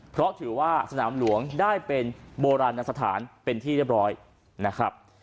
เพราะถือว่าสนามหลวงได้เป็นโบราณสถานเป็นที่เรียบร้อยนะครับ